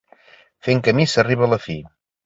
Fent camí s'arriba a la fi.